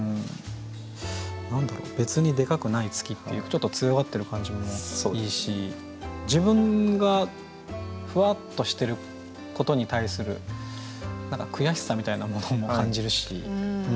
何だろう「別にデカくない月」っていうちょっと強がってる感じもいいし自分がふわっとしてることに対する何か悔しさみたいなものも感じるし。